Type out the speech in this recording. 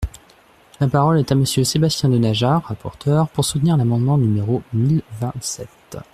La parole est à Monsieur Sébastien Denaja, rapporteur, pour soutenir l’amendement numéro mille vingt-sept.